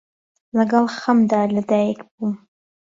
لەگەڵ خەمدا لە دایک بووم،